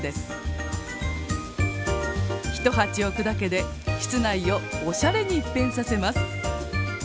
一鉢置くだけで室内をおしゃれに一変させます。